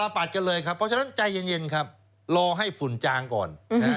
ปัดกันเลยครับเพราะฉะนั้นใจเย็นครับรอให้ฝุ่นจางก่อน